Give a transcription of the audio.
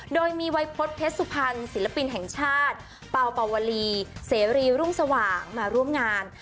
โดยมีวัยพฤษเพชรสุพรรณศิลปินแห่งชาติเป่าเป่าวลีเสรีรุ่งสว่างมาร่วมงาน